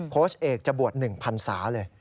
โค้ชเอกจะบวช๑พันศาเลย